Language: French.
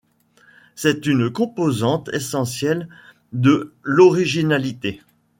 C'est une composante essentielle de l'originalité.